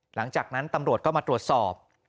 หลังจากนั้นตำรวจก็มาตรวจสอบ